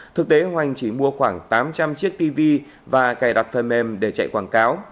thực tế hoành chỉ mua khoảng tám trăm linh chiếc tv và cài đặt phần mềm để chạy quảng cáo